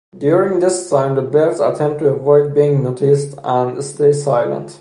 During this time, the birds attempt to avoid being noticed and stay silent.